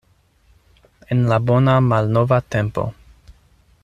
En la bona malnova tempo.